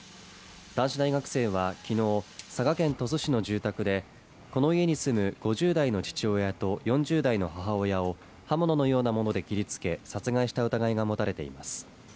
男子大学生は昨日、佐賀県鳥栖市のこの家に住む５０代の父親と４０代の母親を刃物のようなもので切りつけ、殺害した疑いが持たれています。